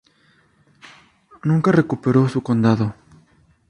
Nunca recuperó su condado.